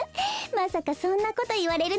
まさかそんなこといわれるなんて